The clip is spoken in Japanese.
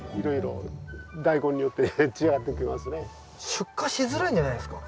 出荷しづらいんじゃないですか？